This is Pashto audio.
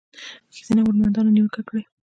ښځینه هنرمندانو نیوکه کړې